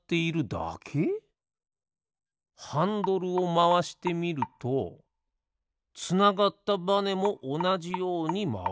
ハンドルをまわしてみるとつながったバネもおなじようにまわる。